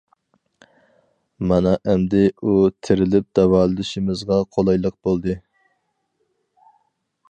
مانا ئەمدى ئۇ تىرىلىپ داۋالىشىمىزغا قولايلىق بولدى.